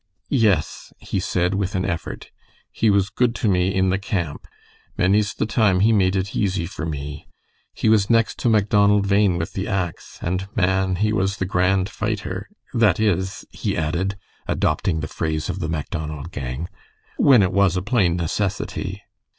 "Yes," he said, with an effort. "He was good to me in the camp. Many's the time he made it easy for me. He was next to Macdonald Bhain with the ax, and, man, he was the grand fighter that is," he added, adopting the phrase of the Macdonald gang, "when it was a plain necessity."